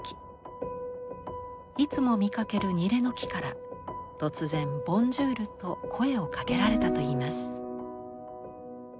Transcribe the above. いつも見かけるニレの木から突然「ボンジュール」と声をかけられたといいます。